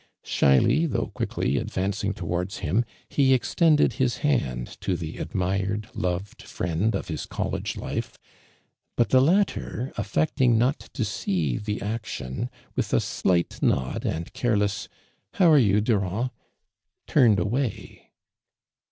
Shyly though <iuickly advancing towards him, he extend ed his hand to the admired, loved friend of iiis college life, but the latter affecting not to see the action, with a slight nod and ''IToware you, Durand ?" turned careless away.